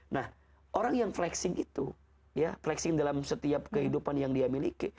nah orang yang flexing itu ya flexing dalam setiap kehidupan yang dia miliki